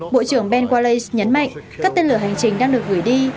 bộ trưởng ben wallace nhấn mạnh các tên lửa hành trình đang được gửi đi